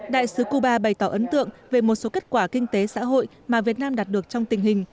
đại sứ cuba bày tỏ ấn tượng về một số kết quả kinh tế xã hội mà việt nam đạt được trong tình hình